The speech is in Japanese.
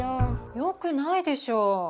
よくないでしょ。